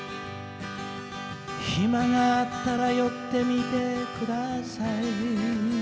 「ヒマがあったら寄ってみて下さい」